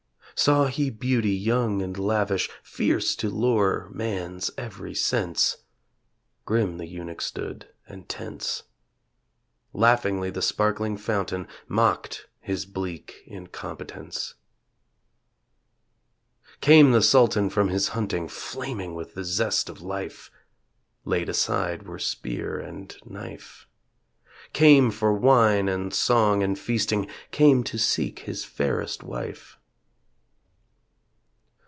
Saw he beauty young and lavish Fierce to lure man's every sense (Grim the Eunuch stood and tense) Laughingly the sparkling fountain Mocked his bleak incompetence. Came the Sultan from his hunting Flaming with the zest of life; (Laid aside were spear and knife) Came for wine and song and feasting, Came to seek his fairest wife.